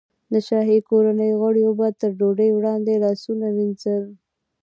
د شاهي کورنۍ غړیو به تر ډوډۍ وړاندې لاسونه وینځل.